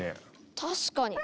確かに。